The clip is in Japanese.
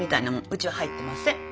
うちは入ってません。